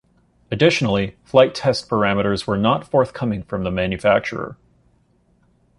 Additionally, flight test parameters were not forthcoming from the manufacturer.